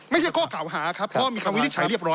ไม่ใช่ข้อเก่าหาครับข้อมีความวิธิภาคศาชัดเรียบร้อยนะครับ